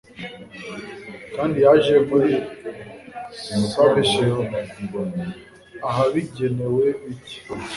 kandi yaje muri surreyshire, ahabigenewe bike